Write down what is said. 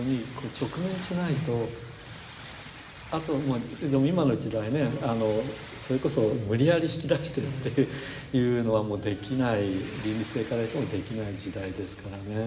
あとでも今の時代ねあのそれこそ無理やり引き出してっていうのはもうできない倫理性から言ってもできない時代ですからね。